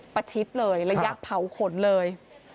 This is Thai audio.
ประชิดเลยระยะเผาขนเลย